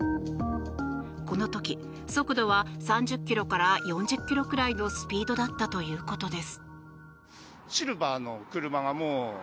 この時、速度は３０ｋｍから４０ｋｍくらいのスピードだったということです。